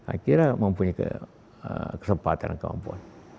akhirnya mempunyai kesempatan dan kemampuan